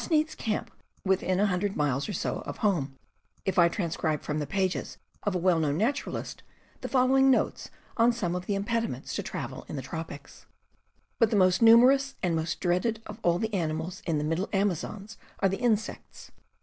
needs camp withm a hundred miles ^^^* or so of home, if I transcribe from the pages of a well known naturalist the following notes on some of the impediments to travel in the tropics: But the most numerous and most dreaded of all animals in the middle Amazons are the insects.